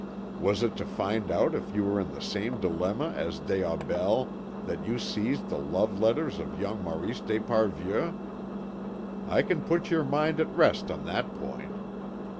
Was it to find out if you were in the same dilemma as des Aubels that you seized the love letters of young Maurice d'Esparvieu? I can put your mind at rest on that point.